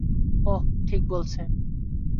ও ঠিক বলছে।